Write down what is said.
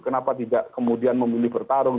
kenapa tidak kemudian memilih bertarung